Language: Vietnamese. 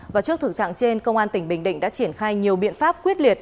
và trước thực trạng trên công an tỉnh bình định đã triển khai nhiều biện pháp quyết liệt